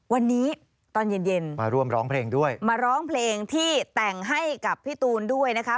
วันนี้ตอนเย็นมาร้องเพลงที่แต่งให้กับพี่ตูนด้วยนะคะ